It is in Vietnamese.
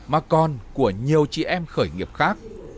mà còn của nhiều chị em khởi nghiệp khác